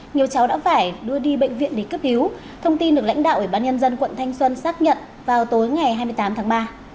nhiều cháu đã phải đưa đi bệnh viện để cấp cứu thông tin được lãnh đạo ủy ban nhân dân quận thanh xuân xác nhận vào tối ngày hai mươi tám tháng ba